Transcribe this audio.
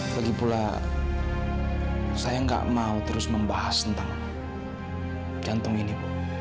lagipula saya tidak mau terus membahas tentang jantung ini